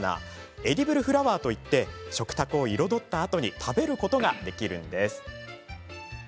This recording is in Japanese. エディブルフラワーといって食卓を彩ったあとに食べることができるんです。